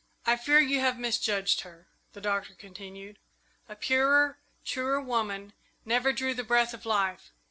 "I fear you have misjudged her," the Doctor continued. "A purer, truer woman never drew the breath of life.